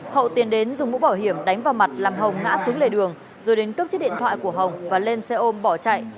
hậu tiến đến dùng mũ bảo hiểm đánh vào mặt làm hồng ngã xuống lề đường rồi đến cướp chiếc điện thoại của hồng và lên xe ôm bỏ chạy